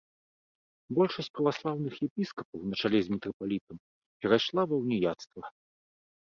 Большасць праваслаўных епіскапаў на чале з мітрапалітам перайшла ва уніяцтва.